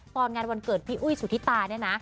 ตอนงานวันเกิดพี่อุ้ยสุธิตาเนี่ยนะ